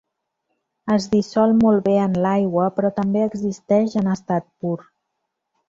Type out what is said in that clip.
Es dissol molt bé en l'aigua però també existeix en estat pur.